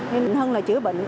thì mình hơn là chữa bệnh